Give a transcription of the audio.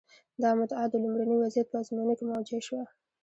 دا مدعا د لومړني وضعیت په ازموینو کې موجه شوه.